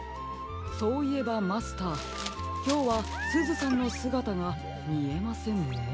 そういえばマスターきょうはすずさんのすがたがみえませんね。